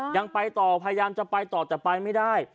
ยังไปต่อพยายามจะไปต่อแต่ไปไม่ได้